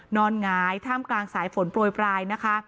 หงายท่ามกลางสายฝนโปรยปลายนะคะ